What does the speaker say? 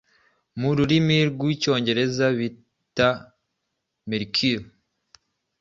mu rurimi rw’ Icyongereza bita Mercury.